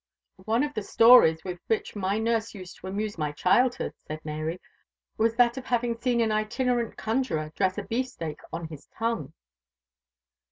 "One of the stories with which my nurse used to amuse my childhood," said Mary, "was that of having seen an itinerant conjuror dress a beef steak on his tongue."